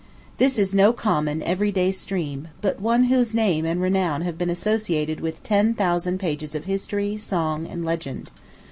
This is no common, every day stream, but one whose name and renown have been associated with ten thousand pages of history, song, and legend.